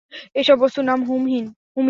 এসব বস্তুর নাম হুমিন।